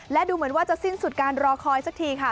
และดูเหมือนว่าจะสิ้นสุดการรอคอยสักทีค่ะ